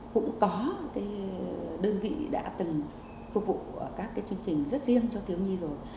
cũng có cái đơn vị đã từng phục vụ các cái chương trình rất riêng cho thiếu nhi rồi